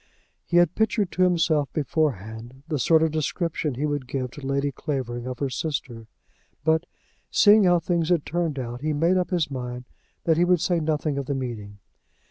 He had pictured to himself beforehand the sort of description he would give to Lady Clavering of her sister; but, seeing how things had turned out, he made up his mind that he would say nothing of the meeting.